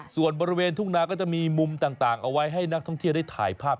ส่วนบริเวณทุ่งนาก็จะมีมุมต่างเอาไว้ให้นักท่องเที่ยวได้ถ่ายภาพ